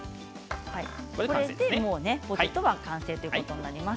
これでポテト完成っていうことになります。